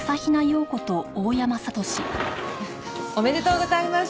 おめでとうございます。